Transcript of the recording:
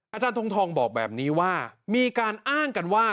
อาจารย์ทรงทองบอกแบบนี้ว่ามีการอ้างกันว่า